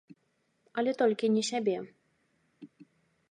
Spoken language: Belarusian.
Але толькі не сябе.